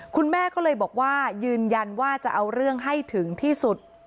คุณแม่ก็เลยบอกว่ายืนยันว่าจะเอาเรื่องให้ถึงที่สุด